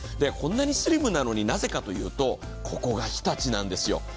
こんなにスリムなのになぜかというと、ここが日立なんですよ。